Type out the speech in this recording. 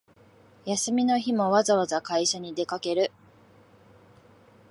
休みの日もわざわざ会社に出かける